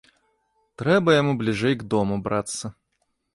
Трэба яму бліжэй к дому брацца.